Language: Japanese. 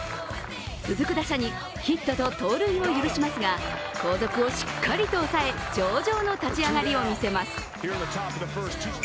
続く打者にヒットと盗塁を許しますが後続をしっかりと抑え、上々の立ち上がりを見せます。